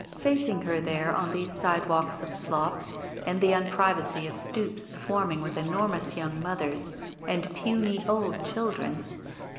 Facing her there on these sidewalks of slops, and the tmprivacy of stoops swarming with enormous young mothers and puny old children.